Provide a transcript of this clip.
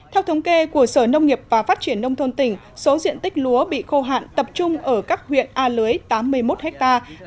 theo thống kê của sở nông nghiệp và phát triển nông thôn tỉnh số diện tích lúa bị khô hạn tập trung ở các huyện a lưới tám mươi một hectare